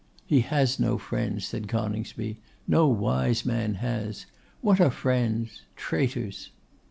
'He has no friends,' said Coningsby. 'No wise man has. What are friends? Traitors.